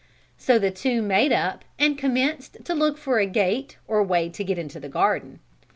So the two made up and commenced to look for a gate or way to get into the garden.